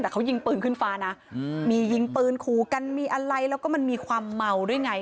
แต่เขายิงปืนขึ้นฟ้านะมียิงปืนขู่กันมีอะไรแล้วก็มันมีความเมาด้วยไง